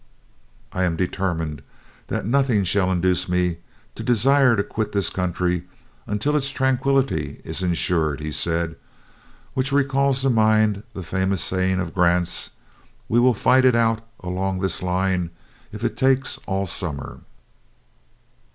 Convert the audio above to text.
"I am determined that nothing shall induce me to desire to quit this country, until its tranquillity is ensured," he said which recalls to mind the famous saying of Grant's: "We will fight it out along this line, if it takes all summer."